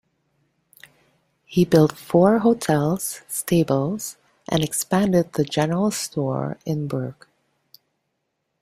He built four hotels, stables, and expanded the general store in Burke.